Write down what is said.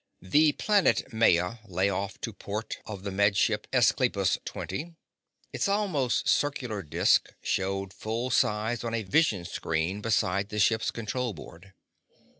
The planet Maya lay off to port of the Med Ship Esclipus Twenty. Its almost circular disk showed full size on a vision screen beside the ship's control board.